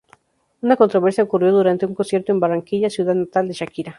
Una controversia ocurrió durante un concierto en Barranquilla, ciudad natal de Shakira.